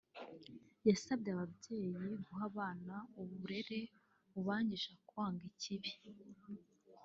yasabye ababyeyi guha abana uburere bubaganisha ku kwanga ikibi